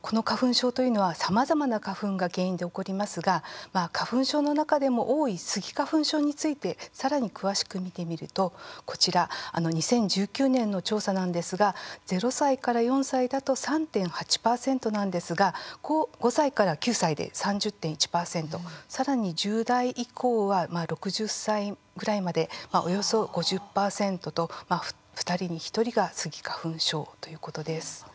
この花粉症というのはさまざまな花粉が原因で起こりますが花粉症の中でも多いスギ花粉症についてさらに詳しく見てみると２０１９年の調査なんですが０歳から４歳だと３．８％なんですが５歳から９歳で３０．１％さらに１０代以降は６０歳くらいまでおよそ５０％と２人に１人がスギ花粉症ということです。